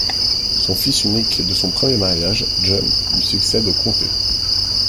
Son fils unique de son premier mariage, John, lui succède au comté.